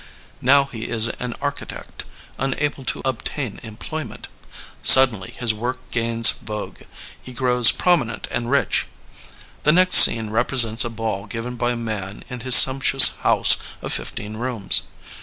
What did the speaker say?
Now he is an architect, unable to obtain employment. Suddenly his work gains vogue; he grows prominent and rich. The next scene represents a ball given by Man in his sumptu ous house of fifteen rooms.